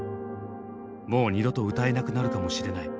もう二度と歌えなくなるかもしれない。